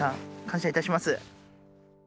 感謝いたします。